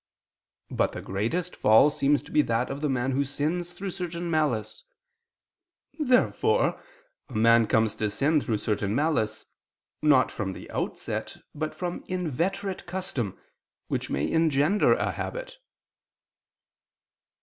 But the greatest fall seems to be that of the man who sins through certain malice. Therefore a man comes to sin through certain malice, not from the outset, but from inveterate custom, which may engender a habit.